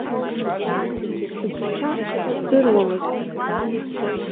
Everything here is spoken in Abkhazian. Цқьа дсыздыруамызт.